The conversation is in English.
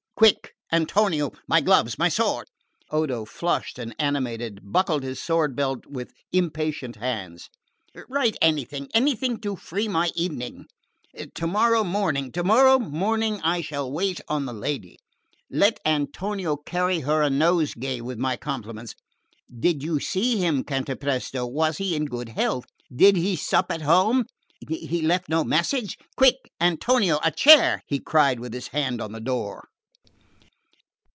Quick, Antonio my gloves, my sword." Odo, flushed and animated, buckled his sword belt with impatient hands. "Write anything anything to free my evening. Tomorrow morning tomorrow morning I shall wait on the lady. Let Antonio carry her a nosegay with my compliments. Did you see him Cantapresto? Was he in good health? Does he sup at home? He left no message? Quick, Antonio, a chair!" he cried with his hand on the door.